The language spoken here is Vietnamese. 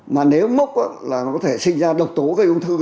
mà nếu mốc là nó có thể sinh ra độc tố gây ung thư